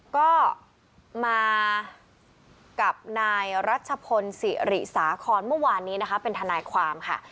ก็มากับนายรัชพลศิริสาคอนเมื่อวานนี้นะคะเป็นทนายความค่ะ